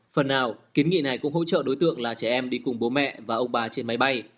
phần nào kiến nghị này cũng hỗ trợ đối tượng là trẻ em đi cùng bố mẹ và ông bà trên máy bay